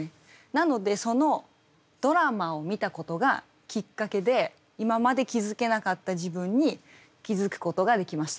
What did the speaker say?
なのでそのドラマを見たことがきっかけで今まで気付けなかった自分に気付くことができました。